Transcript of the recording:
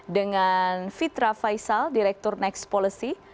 dengan fitra faisal direktur next policy